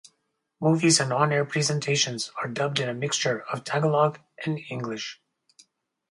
Movies and on-air presentations are dubbed in a mixture of Tagalog and English.